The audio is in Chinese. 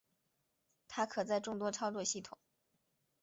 它可在众多操作系统。